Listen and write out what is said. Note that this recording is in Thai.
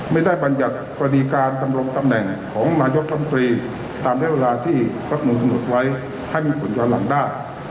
ไม่ได้บัญญัติประดีการตำรงตำแหน่งของมายกฎมตรีตามแท้เวลาที่รัฐมูลถูกหนดไว้ให้มีผลย้อนหลังได้